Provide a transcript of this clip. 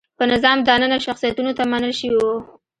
په نظام دننه شخصیتونو ته منل شوي وو.